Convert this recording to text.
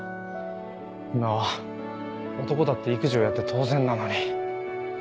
今は男だって育児をやって当然なのに。